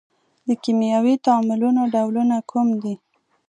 د کیمیاوي تعاملونو ډولونه کوم دي؟